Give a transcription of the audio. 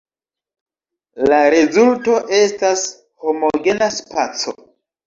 La rezulto estas homogena spaco.